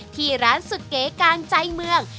ที่ร้านสุดเก๋กลางใจเมือง